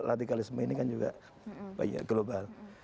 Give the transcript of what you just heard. radikalisme ini kan juga banyak global